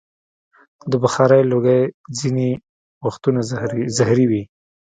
د بخارۍ لوګی ځینې وختونه زهري وي.